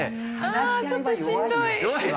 ああちょっとしんどい。